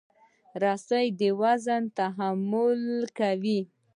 رسۍ د وزن تحمل کوي.